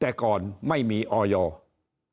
แต่ก่อนไม่มีออยอร์